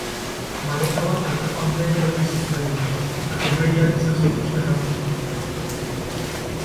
Maleta bat aldapan behera erori zitzaien, eta komeriak izan zituzten hartzeko.